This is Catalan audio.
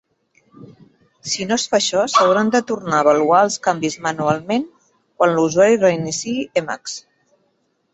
Si no es fa això, s'hauran de tornar a avaluar els canvis manualment quan l'usuari reinicii Emacs.